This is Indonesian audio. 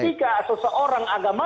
betika seseorang agamanya